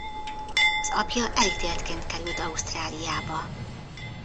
Az apja elítéltként került Ausztráliába.